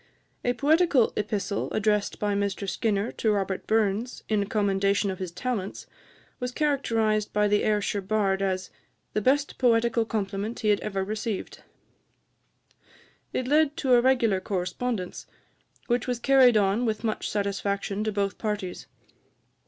A poetical epistle addressed by Mr Skinner to Robert Burns, in commendation of his talents, was characterized by the Ayrshire Bard as "the best poetical compliment he had ever received." It led to a regular correspondence, which was carried on with much satisfaction to both parties.